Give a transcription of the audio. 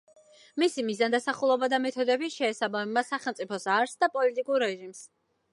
მისი მიზანდასახულობა და მეთოდები შეესაბამება სახელმწიფოს არსს და პოლიტიკურ რეჟიმს.